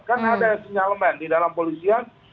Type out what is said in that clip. kan ada yang senyalemen di dalam polisian